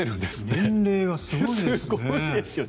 年齢がすごいですね。